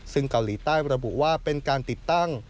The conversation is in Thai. ซึ่งเกาหลีใต้ระบุว่าเป็นการติดตั้ง